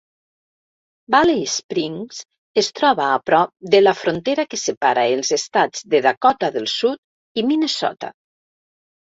Valley Springs es troba a prop de la frontera que separa els estats de Dakota del Sud i Minnesota.